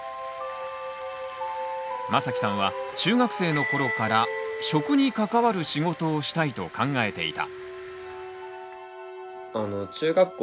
まさきさんは中学生の頃から「食」に関わる仕事をしたいと考えていた。